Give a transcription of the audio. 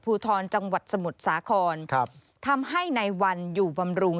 ภูทรจังหวัดสมุทรสาครครับทำให้ในวันอยู่บำรุง